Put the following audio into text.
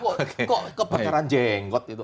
kok kebakaran jenggot